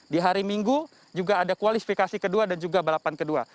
di hari minggu juga ada kualifikasi kedua dan juga balapan kedua